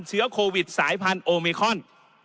เชื้อโควิดสายพันธุมิคอน